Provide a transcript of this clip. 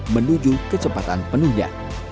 menuju kesempatan penuhnya